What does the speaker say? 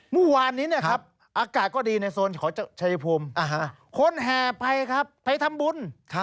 มุ่นวานนี้ครับอากาศก็ดีในโซนของเฉพาะเฉยพรุมคนแห่ไปครับไปทำบุญ